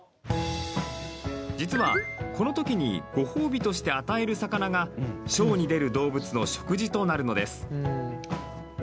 実は、このときにご褒美として与える魚がショーに出る動物の食事となるのです。